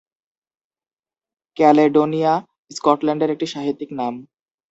Caledonia স্কটল্যান্ডের একটি সাহিত্যিক নাম।